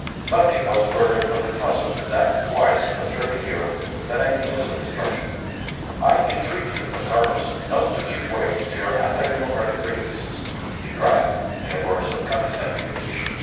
Nothing was further from the thoughts of that wise and patriotic hero than ideas of destruction. "I entreat you, Don Carlos, not to give way to your anti democratic prejudices," he cried, in a burst of condescending effusion.